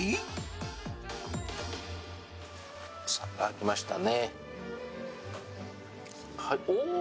きましたね。